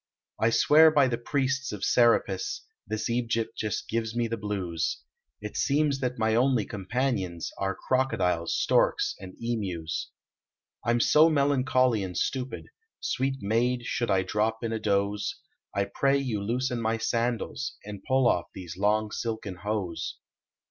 I swear by the Priests of Serapis This Egypt just gives me the bines, It seems that my onlv companions Are crocodiles, storks, and emus. I m so melancholy and stupid. Sweet maid should 1 drop in a do/.e, I pray you loosen my sandals And pull off these long silken hose.